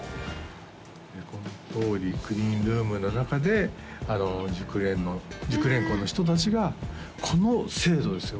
このとおりクリーンルームの中で熟練工の人達がこの精度ですよ